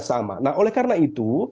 sama nah oleh karena itu